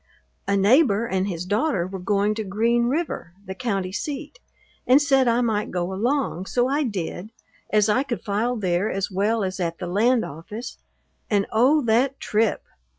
A neighbor and his daughter were going to Green River, the county seat, and said I might go along, so I did, as I could file there as well as at the land office; and oh, that trip!